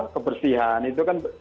kebersihan itu kan